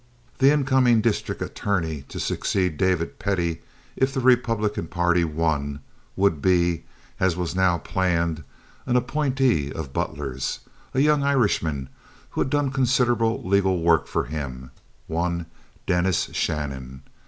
The incoming district attorney to succeed David Pettie if the Republican party won would be, as was now planned, an appointee of Butler's—a young Irishman who had done considerable legal work for him—one Dennis Shannon.